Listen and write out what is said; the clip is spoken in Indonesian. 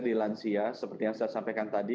di lansia seperti yang saya sampaikan tadi